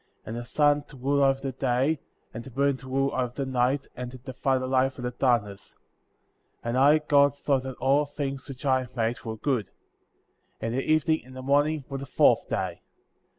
And the sun to rule over the day, and the moon to rule over the night, and to divide the light from the darkness; and I, God, saw that all things which I had made were good ;*" 19. And the evening and the morning were the fourth day.